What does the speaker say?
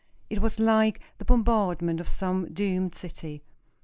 It was like the bombardment of some doomed city.